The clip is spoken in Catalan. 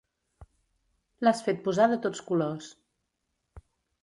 L'has fet posar de tots colors.